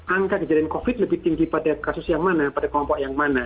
angka kejadian covid lebih tinggi pada kasus yang mana pada kelompok yang mana